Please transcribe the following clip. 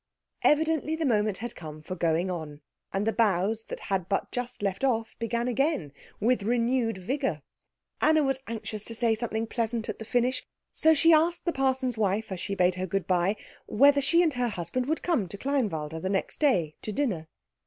Evidently the moment had come for going on, and the bows that had but just left off began again with renewed vigour. Anna was anxious to say something pleasant at the finish, so she asked the parson's wife, as she bade her good bye, whether she and her husband would come to Kleinwalde the next day to dinner.